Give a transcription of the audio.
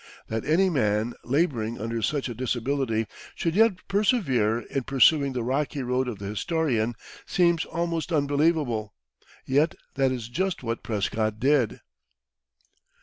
That any man, laboring under such a disability, should yet persevere in pursuing the rocky road of the historian seems almost unbelievable; yet that is just what Prescott did.